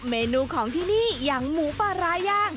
เมนูของที่นี่อย่างหมูปลาร้าย่าง